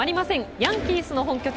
ヤンキースの本拠地